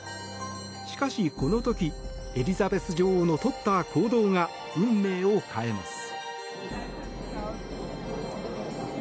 しかしこの時、エリザベス女王の取った行動が運命を変えます。